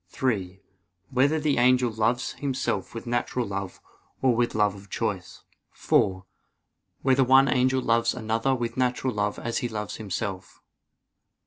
(3) Whether the angel loves himself with natural love or with love of choice? (4) Whether one angel loves another with natural love as he loves himself?